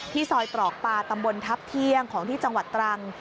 ซอยตรอกปลาตำบลทัพเที่ยงของที่จังหวัดตรัง